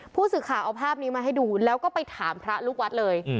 ผู้สื่อข่าวเอาภาพนี้มาให้ดูแล้วก็ไปถามพระลูกวัดเลย